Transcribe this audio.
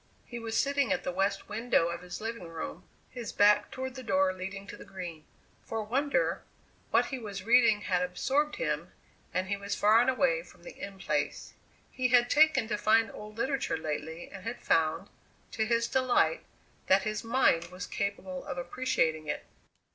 He was sitting at the west window of his living room, his back toward the door leading to the Green. For a wonder, what he was reading had absorbed him, and he was far and away from the In Place. He had taken to fine, old literature lately and had found, to his delight, that his mind was capable of appreciating it.